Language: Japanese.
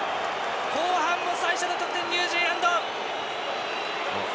後半最初の得点もニュージーランド！